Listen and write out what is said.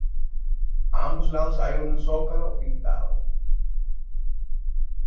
A ambos lados hay un zócalo pintado.